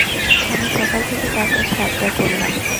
আমি সকাল থেকে তার কাছে আবদার করলাম।